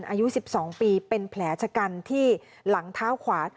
อายุ๑๒ปีเป็นแผลชะกันที่หลังเท้าขวา